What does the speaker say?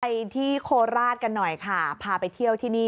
ที่โคราชกันหน่อยค่ะพาไปเที่ยวที่นี่